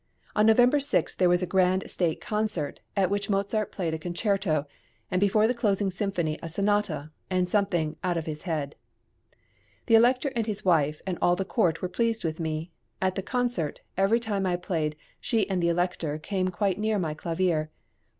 On November 6 there was a grand state concert, at which Mozart played a concerto, and before the closing symphony a sonata, and something "out of his head": The Elector and his wife and all the court were pleased with me. At the concert, every time I played she and the Elector came quite near my clavier.